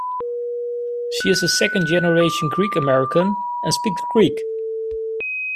She is a second-generation Greek-American and speaks Greek.